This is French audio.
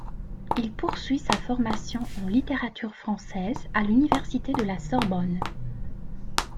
Il poursuit sa formation en littérature française à l'université de la Sorbonne.